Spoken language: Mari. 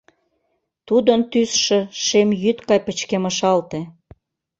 Тудын тӱсшӧ шем йӱд гай пычкемышалте.